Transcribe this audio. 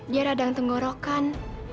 dia radang tenggorokan